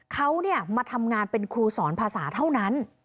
เขามาทำงานเป็นครูสอนภาษาเท่านั้น